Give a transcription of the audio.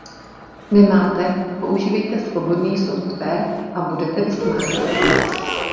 Nemáte, používejte svobodný software a budete vysmátí!